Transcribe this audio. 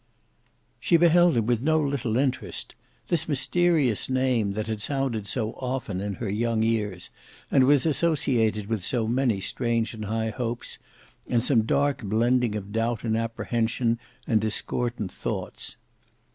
She beheld him with no little interest; this mysterious name that had sounded so often in her young ears, and was associated with so many strange and high hopes, and some dark blending of doubt and apprehension and discordant thoughts.